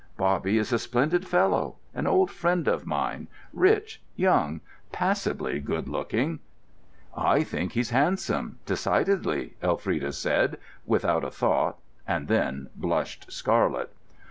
Bobby is a splendid fellow, an old friend of mine, rich, young, passably good looking——" "I think he's handsome, decidedly," Elfrida said, without a thought, and then blushed scarlet.